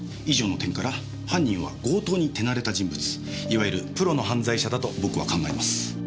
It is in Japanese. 以上の点から犯人は強盗に手慣れた人物いわゆるプロの犯罪者だと僕は考えます。